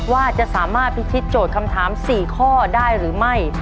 ว่าจะสามารถพิธีโจทย์คำถาม๔ข้อได้หรือไม่